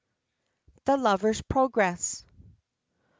THE LOVER'S PROGRESS. I.